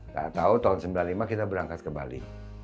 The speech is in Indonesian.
gak tau tahun sembilan puluh lima kita berangkat ke bali